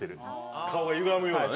顔がゆがむようなね。